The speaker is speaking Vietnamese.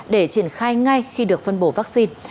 để triển khai ngay khi được phân bổ vaccine